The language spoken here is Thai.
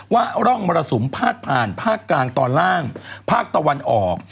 ว่าร่องมรสุมพาดผ่านภาคกลางตอนล่างภาคตะวันออก